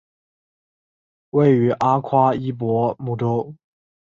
位于阿夸伊博姆州。